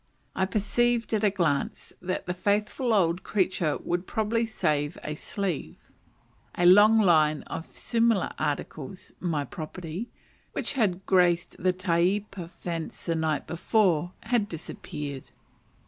I perceived at a glance that the faithful old creature would probably save a sleeve. A long line of similar articles, my property, which had graced the taiepa fence the night before, had disappeared.